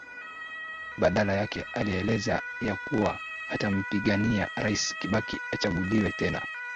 Badala yake alieleza ya kuwa atampigania rais Kibaki achaguliwe tena